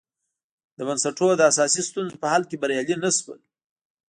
د بنسټونو د اساسي ستونزو په حل کې بریالي نه شول.